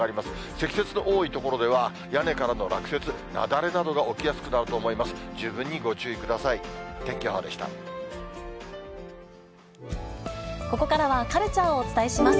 積雪の多い所では、屋根からの落雪、雪崩などが起きやすくなると思います。